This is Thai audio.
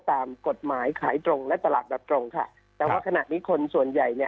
ตามกฎหมายขายตรงและตลาดโดยตรงค่ะแต่ว่าขณะนี้คนส่วนใหญ่เนี่ย